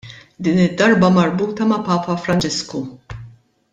Din id-darba marbuta ma' Papa Franġisku.